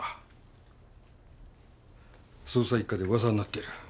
捜査一課でうわさになってる。